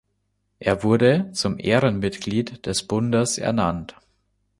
Er wurde zum Ehrenmitglied des Bundes ernannt.